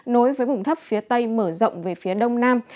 nối với vùng thấp phía tây mở rộng về phía đông nam